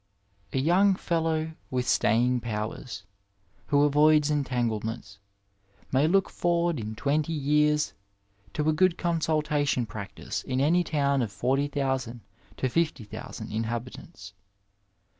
A young fellow with staying powers who avoids entangle* ments, may look forward in twenty years to a good con sultation practice in any town of 40,000 to 60,000 in habitants.